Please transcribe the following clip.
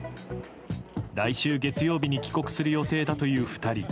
来週月曜日に帰国する予定だという２人。